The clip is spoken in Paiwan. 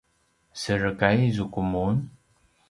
serekay zuku mun?